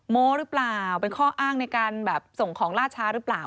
โม้หรือเปล่าเป็นข้ออ้างในการแบบส่งของล่าช้าหรือเปล่า